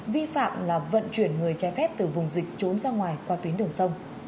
vi phạm là vận chuyển người trái phép từ vùng dịch trốn ra ngoài qua tuyến đường sông